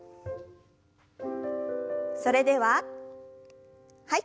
それでははい。